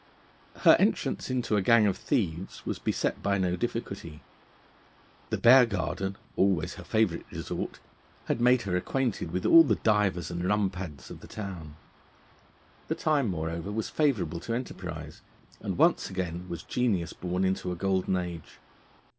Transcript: Her entrance into a gang of thieves was beset by no difficulty. The Bear Garden, always her favourite resort, had made her acquainted with all the divers and rumpads of the town. The time, moreover, was favourable to enterprise, and once again was genius born into a golden age.